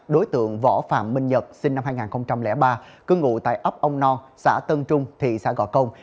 đối tượng võ phạm minh nhật sinh năm hai nghìn ba cư ngụ tại ấp ông non xã tân trung thị xã gò công